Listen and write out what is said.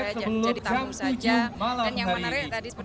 dari yang paling senior saya kemudian yang tengah ada kita besar band